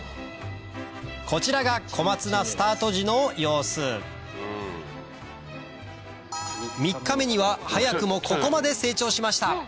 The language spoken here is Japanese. こちらがコマツナスタート時の様子３日目には早くもここまで成長しました